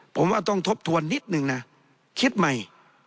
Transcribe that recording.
ผมว่าต้องทบทวนนิดนึงนะคิดใหม่